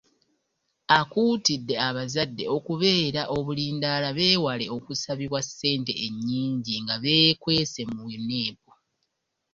Akuutidde abazadde okubeera obulindaala beewale okusabibwa ssente ennyingi nga beekwese mu UNEB